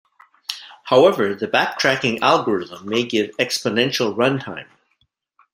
However, the backtracking algorithm may give exponential runtime.